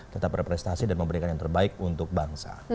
tetap berprestasi dan memberikan yang terbaik untuk bangsa